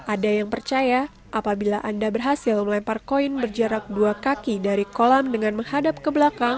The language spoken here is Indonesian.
ada yang percaya apabila anda berhasil melempar koin berjarak dua kaki dari kolam dengan menghadap ke belakang